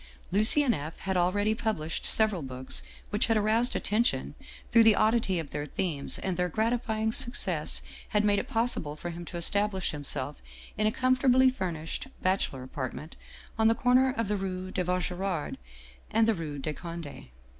" Lucien F. had already published several books which had aroused attention through the oddity of their themes, and their gratifying success had made it possible for him to establish himself in a comfortably furnished bachelor apart ment on the corner of the rue de Vaugirard and the rue de Conde.